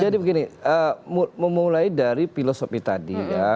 jadi begini memulai dari filosofi tadi ya